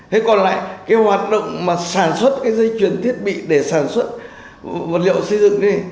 thế còn lại cái hoạt động mà sản xuất dây chuyền thiết bị để sản xuất vật liệu xây dựng